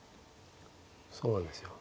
そうなんですよ。